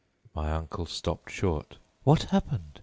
My uncle stopped short. "What happened?"